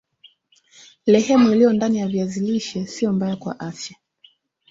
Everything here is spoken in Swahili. lehemu iliyo ndani ya viazi lishe sio mbaya kwa afya